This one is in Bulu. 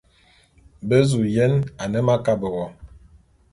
Be zu yen ane m'akabe wo.